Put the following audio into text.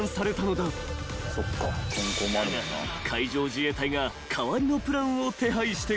［だが海上自衛隊が代わりのプランを手配してくれた］